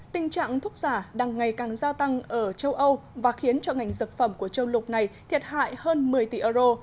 tình trạng thuốc giả đang ngày càng gia tăng ở châu âu và khiến cho ngành dược phẩm của châu lục này thiệt hại hơn một mươi tỷ euro